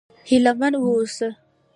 هيله من و اوسه!